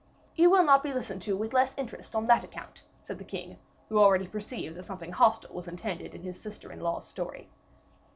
"You will not be listened to with less interest on that account," said the king, who already perceived that something hostile was intended in his sister in law's story.